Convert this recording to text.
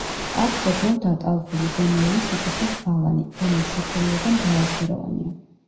აქვს ოდნავ დატალღული, ზომიერი სიგრძის ბალანი, რომლის შეფერილობა მრავალფეროვანია.